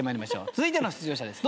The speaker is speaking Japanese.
続いての出場者です。